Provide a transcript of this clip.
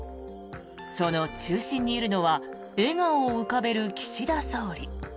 その中心にいるのは笑顔を浮かべる岸田総理。